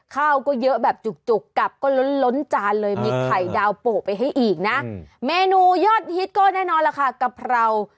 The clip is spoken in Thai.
ข้าวก็เยอะแบบจุกกลับก็ล้นจานเลยมีไข่ดาวโปะไปให้อีกนะ